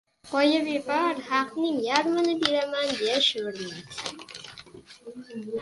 — Qo‘yib yubor, haqning yarmini beraman, — deya shivirladi.